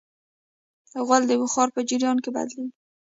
غول د بخار په جریان کې بدلېږي.